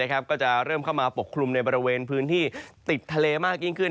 ก็จะเริ่มเข้ามาปกคลุมในบริเวณพื้นที่ติดทะเลมากยิ่งขึ้น